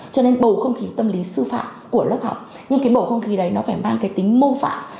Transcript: cho nên bầu không khí tâm lý sư phạm của lớp học nhưng cái bầu không khí đấy nó phải mang cái tính mô phạm